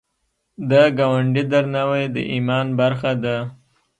د ګاونډي درناوی د ایمان برخه ده